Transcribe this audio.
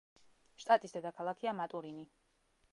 შტატის დედაქალაქია მატურინი.